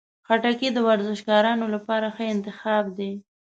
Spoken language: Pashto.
خټکی د ورزشکارانو لپاره ښه انتخاب دی.